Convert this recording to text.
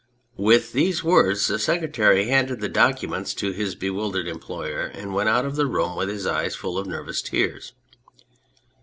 With these words the secretary handed the docu ments to his bewildered employer, and went out of the room with his eyes full of nervous tears.